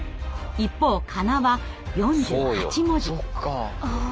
一方かなは４８文字。